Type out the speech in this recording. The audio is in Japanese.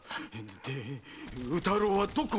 宇太郎はどこに？